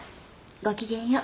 ごきげんよう。